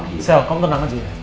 michelle kamu tenang aja ya